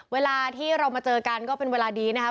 เวลาที่เรามาเจอกันก็เป็นเวลาดีนะครับ